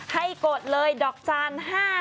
กดเลยดอกจาน๕๐